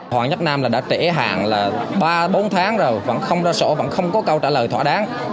hoàng nhất nam đã trễ hạn ba bốn tháng rồi vẫn không ra sổ vẫn không có câu trả lời thỏa đáng